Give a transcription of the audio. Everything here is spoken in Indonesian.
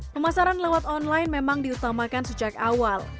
pemasaran lewat online memang diutamakan sejak awal